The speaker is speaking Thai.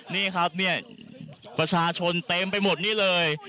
นี่ครับเนี่ยประชาชนเต็มไปหมดนี่เลย